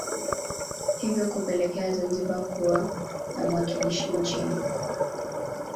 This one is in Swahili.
Hivyo kupelekea Zanzibar kuwa na mwakilishi nchini